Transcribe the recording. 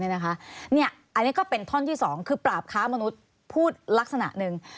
อันนี้ก็เป็นท่อนที่๒คือปราบค้ามนุษย์พูดลักษณะหนึ่ง